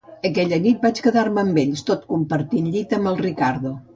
Aquella nit vaig quedar-me amb ells, tot compartint llit amb el Riccardo.